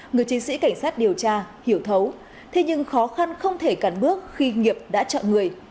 người chiến sĩ cảnh sát điều tra hiểu thấu thế nhưng khó khăn không thể cắn bước khi nghiệp đã chọn người